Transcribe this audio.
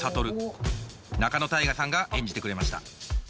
仲野太賀さんが演じてくれました。